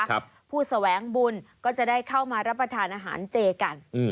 ผู้แสวงบุญก็จะได้เข้ามารับประทานอาหารเจกันอืม